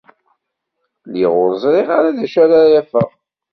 Lliɣ ur ẓriɣ ara d acu ara afeɣ.